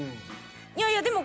いやいやでも。